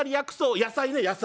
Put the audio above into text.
「野菜ね野菜！